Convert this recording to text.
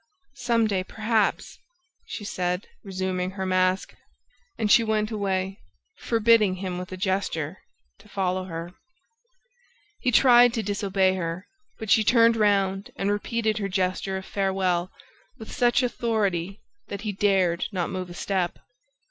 ... Some day, perhaps!" she said, resuming her mask; and she went away, forbidding him, with a gesture, to follow her. He tried to disobey her; but she turned round and repeated her gesture of farewell with such authority that he dared not move a step.